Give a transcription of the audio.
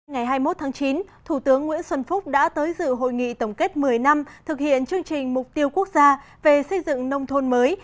ngày hai mươi một tháng chín thủ tướng nguyễn xuân phúc đã tới dự hội nghị tổng kết một mươi năm thực hiện chương trình mục tiêu quốc gia về xây dựng nông thôn mới